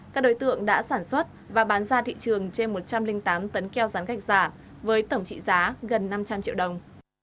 các đối tượng đã sản xuất và bán ra thị trường trên một trăm linh tám tấn keo rán gạch giả với tổng trị giá gần năm trăm linh triệu đồng